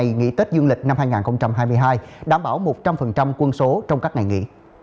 ngày nghỉ tết dương lịch năm hai nghìn hai mươi hai đảm bảo một trăm linh quân số trong các ngày nghỉ